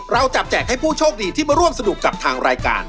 เราจับแจกให้ผู้โชคดีที่มาร่วมสนุกกับทางรายการ